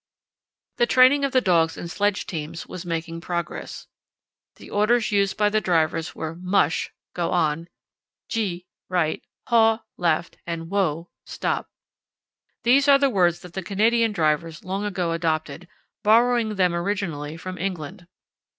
The training of the dogs in sledge teams was making progress. The orders used by the drivers were "Mush" (Go on), "Gee" (Right), "Haw" (Left), and "Whoa" (Stop). These are the words that the Canadian drivers long ago adopted, borrowing them originally from England.